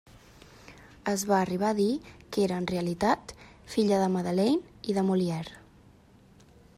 Es va arribar a dir que era en realitat filla de Madeleine i de Molière.